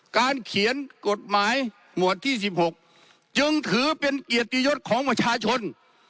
เขียนกฎหมายหมวดที่๑๖จึงถือเป็นเกียรติยศของประชาชน